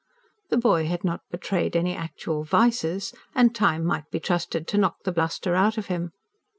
The boy had not betrayed any actual vices; and time might be trusted to knock the bluster out of him.